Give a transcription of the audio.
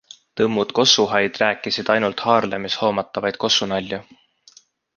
Tõmmud kossuhaid rääkisid ainult Haarlemis hoomatavaid kossunalju.